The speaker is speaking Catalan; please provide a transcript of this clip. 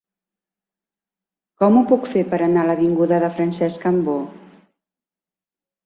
Com ho puc fer per anar a l'avinguda de Francesc Cambó?